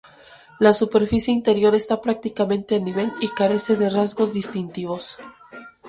La superficie interior está prácticamente a nivel y carece de rasgos distintivos.